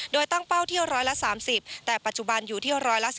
โดยตั้งเป้าที่๑๓๐แต่ปัจจุบันอยู่ที่๑๑๓๑๑๔